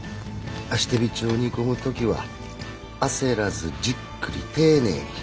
足てびちを煮込む時は焦らずじっくり丁寧に。